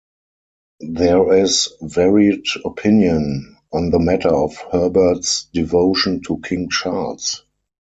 There is varied opinion on the matter of Herbert's devotion to King Charles.